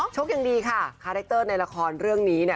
โชคดีค่ะคาแรคเตอร์ในละครเรื่องนี้